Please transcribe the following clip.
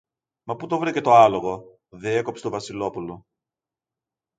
Μα πού το βρήκε το άλογο; διέκοψε το Βασιλόπουλο.